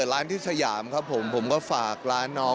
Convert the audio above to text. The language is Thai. โดมเนี้ยบอกเลยว่าโอ้โห